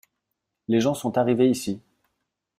Les gens sont arrivés ici.